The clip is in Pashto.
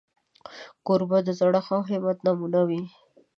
کوربه د زړښت او همت نمونه وي.